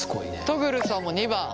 トグルさんも２番。